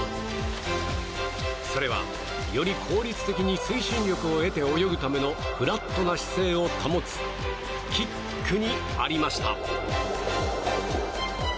それは、より効率的に推進力を得て泳ぐためのフラットな姿勢を保つキックにありました。